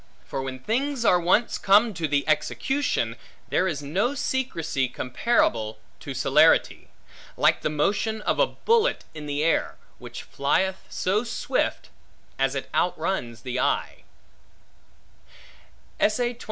For when things are once come to the execution, there is no secrecy, comparable to celerity; like the motion of a bullet in the air, which flieth so swift, as it outruns the eye.